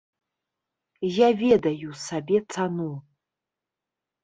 Я ведаю сабе цану.